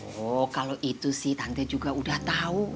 oh kalau itu sih tante juga udah tahu